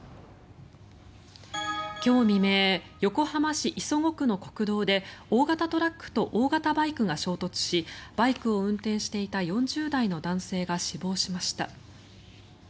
今日未明横浜市磯子区の国道で大型トラックと大型バイクが衝突しバイクを運転していた４０代の男性が死亡しました。